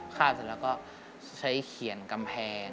คาดเสร็จแล้วก็ใช้เขียนกำแพง